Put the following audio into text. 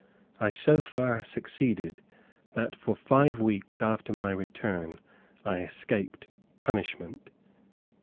I so far succeeded, that for five weeks after my return I escaped punishment.